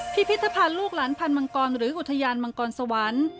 พิพิธภัณฑ์ลูกหลานพันธ์มังกรหรืออุทยานมังกรสวรรค์